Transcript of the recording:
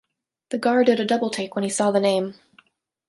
The guard did a double-take when he saw the name.